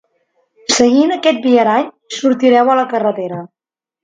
Seguint aquest viarany sortireu a la carretera.